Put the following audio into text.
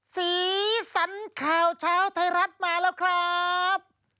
สีสันข่าวเช้าไทยรัฐมาแล้วครับ